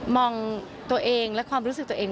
มองตัวเองและความรู้สึกตัวเอง